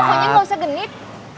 pokoknya gak usah genit